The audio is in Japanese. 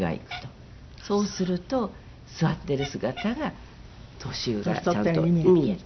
そうすると座ってる姿が年よりはちゃんと見える。